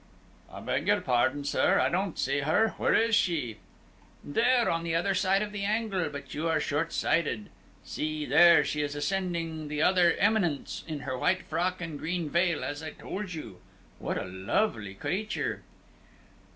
"I beg your pardon, sir, I don't see her. Where is she?" "There, on the other side of the angle; but you are shortsighted. See, there she is ascending the other eminence in her white frock and green veil, as I told you. What a lovely creature!"